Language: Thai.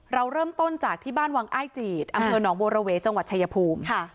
เราเริ่มต้นจากที่บ้านวังอ้ายจีดอำเภอหนองบัวระเวจังหวัดชายภูมิ